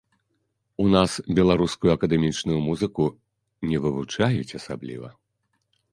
У нас беларускую акадэмічную музыку не вывучаюць асабліва.